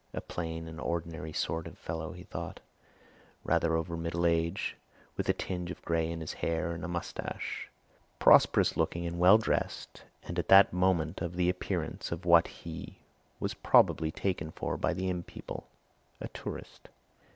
A plain and ordinary sort of fellow, he thought; rather over middle age, with a tinge of grey in his hair and moustache; prosperous looking and well dressed, and at that moment of the appearance of what he was probably taken for by the inn people a tourist.